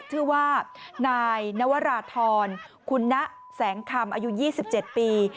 ชื่อว่านายนวราธรคุณนะแสงคำอายุ๒๗ปี